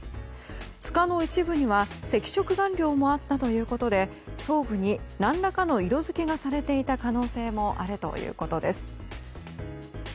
柄の一部には赤色顔料もあったということで装具に何らかの色付けがされていた可能性もあるということです。